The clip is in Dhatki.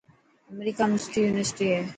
امريڪا ۾ سٺي يونيورسٽي هي.